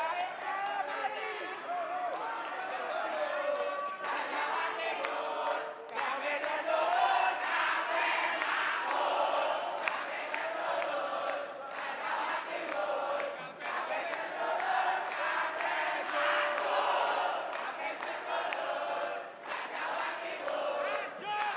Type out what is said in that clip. selanjutnya kita akan mendengarkan suara pendukung pasangan calon nomor urut dua